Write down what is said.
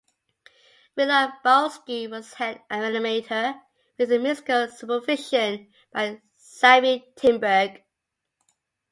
Willard Bowsky was head animator, with musical supervision by Sammy Timberg.